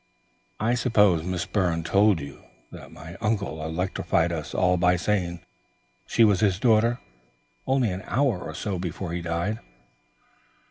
I suppose Miss Byrne told you that my uncle electrified us all by saying she was his daughter, only an hour or so before he died?"